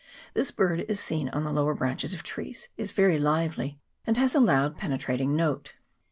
This bird is seen on the lower branches of trees, is very lively, and has a loud penetrating note.